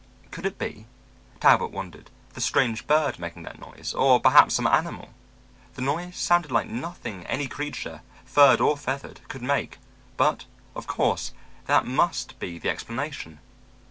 Could it be, Talbot wondered, the strange bird making that noise? Or perhaps some animal? The noise sounded like nothing any creature, furred or feathered, could make, but, of course, that must be the explanation.